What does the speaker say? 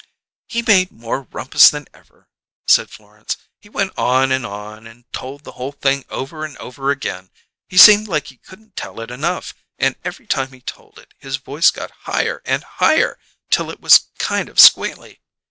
"He made more rumpus than ever," said Florence. "He went on and on, and told the whole thing over and over again; he seemed like he couldn't tell it enough, and every time he told it his voice got higher and higher till it was kind of squealy.